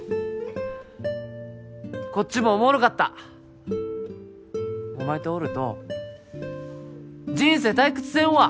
こっちもおもろかったお前とおると人生退屈せんわ！